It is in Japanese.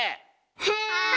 はい！